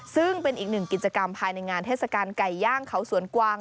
ซึ่งเป็นอีกหนึ่งกิจกรรมภายในงานเทศกาลไก่ย่างเขาสวนกวาง